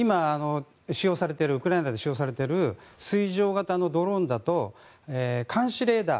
ウクライナで今、使用されている水上型のドローンだと監視レーダー